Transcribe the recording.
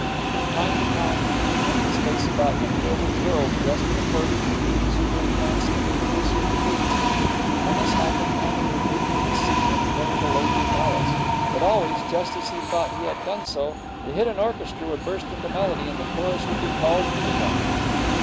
From time to time the empty space about him filled with girls dressed in accordance with the exuberant fancy of the producer of the piece. When this happened, Henry would leap from his seat and endeavour to locate Alice; but always, just as he thought he had done so, the hidden orchestra would burst into melody and the chorus would be called to the front.